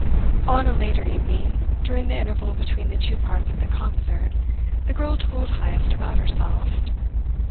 On a later evening, during the interval between the two parts of the concert, the girl told Heyst about herself.